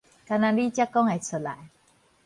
干焦你才講會出來